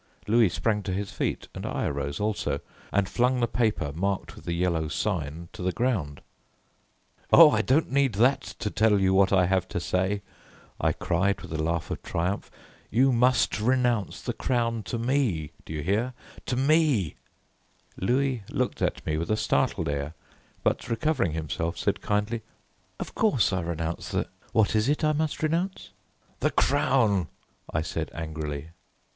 Louis sprang to his feet and I arose also, and flung the paper marked with the Yellow Sign to the ground. "Oh, I don't need that to tell you what I have to say," I cried, with a laugh of triumph. "You must renounce the crown to me, do you hear, to me." Louis looked at me with a startled air, but recovering himself said kindly, "Of course I renounce the what is it I must renounce?" "The crown," I said angrily.